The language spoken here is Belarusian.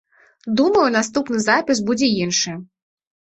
Думаю, наступны запіс будзе іншы.